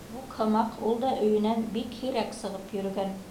Мук һымаҡ, ул да өйөнән бик һирәк сығып йөрөгән.